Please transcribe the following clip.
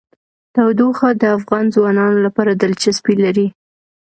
تودوخه د افغان ځوانانو لپاره دلچسپي لري.